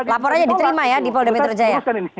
laporannya diterima ya di polda metro jaya